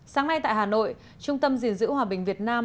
sáng nay tại hà nội trung tâm diện giữ hòa bình việt nam